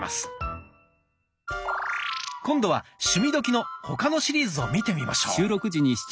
今度は「趣味どきっ！」の他のシリーズを見てみましょう。